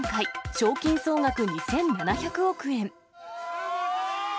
賞金総額２７００億円。